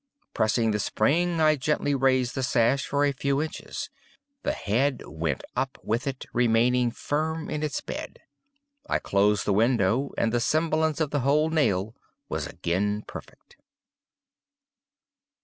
Pressing the spring, I gently raised the sash for a few inches; the head went up with it, remaining firm in its bed. I closed the window, and the semblance of the whole nail was again perfect.